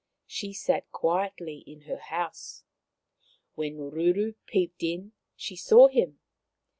She sat quietly in her house. When Ruru peeped in she saw him.